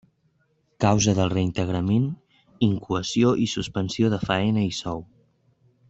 Causa del reintegrament: incoació i suspensió de faena i sou.